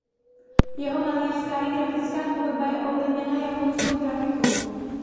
Jeho malířská i grafická tvorba je ovlivněna japonskou grafikou.